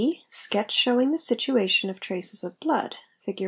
Sketch showing the situation of traces of blood, Fig.